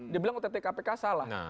dia bilang ottkpk salah